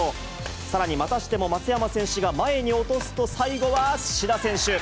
さらにまたしても松山選手が前に落とすと、最後は、志田選手。